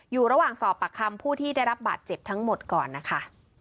อยู่ระหว่างสอบปากคำผู้ที่ได้รับบาดเจ็บทั้งหมดก่อนนะคะ